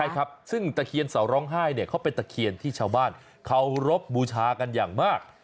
ใช่ครับซึ่งตะเคียนเสาร้องไห้เนี่ยเขาเป็นตะเคียนที่ชาวบ้านเคารพบูชากันอย่างมาก